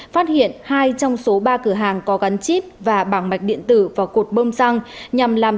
phát hiện hai trong số ba cửa hàng có gắn chip và bảng mạch điện tử vào cột bơm xăng nhằm làm